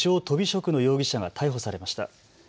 とび職の容疑者が逮捕されました。